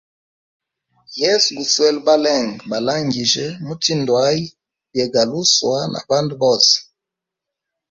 Yesu guswele balenge, balangijye mutindwʼayi byegaluswa na bandu bose.